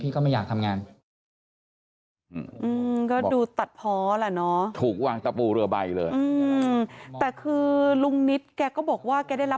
ก็ต้องเกือบ๑๐๐นะ